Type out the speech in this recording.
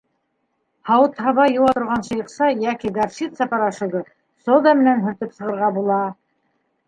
Һауыт-һаба йыуа торған шыйыҡса йәки горчица порошогы, сода менән һөртөп сығырға була.